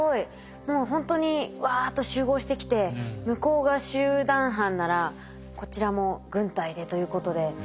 もうほんとにわっと集合してきて向こうが集団犯ならこちらも軍隊でということで。